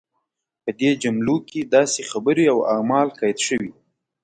په دې جملو کې داسې خبرې او اعمال قید شوي.